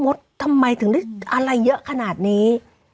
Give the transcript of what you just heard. ทำไมถึงได้อะไรเยอะขนาดนี้